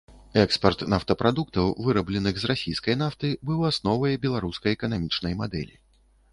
Экспарт нафтапрадуктаў, вырабленых з расійскай нафты, быў асновай беларускай эканамічнай мадэлі.